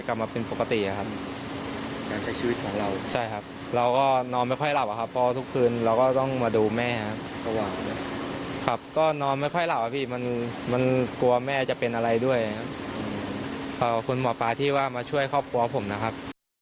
ขอขอบคุณหมอปลาที่ว่ามาช่วยครอบครัวผมนะครับ